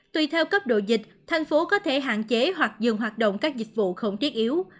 tùy theo cấp độ dịch thành phố có thể hạn chế hoặc dừng hoạt động các dịch vụ không thiết yếu